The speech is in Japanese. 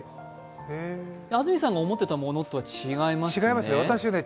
安住さんが思っていたものとは違いますね。